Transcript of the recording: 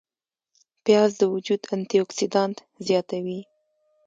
پیاز د وجود انتي اوکسیدانت زیاتوي